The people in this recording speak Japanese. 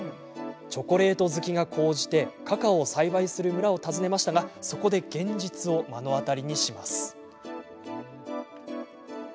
チョコレート好きが高じてカカオを栽培する村を訪ねましたがそこで現実を目の当たりにします。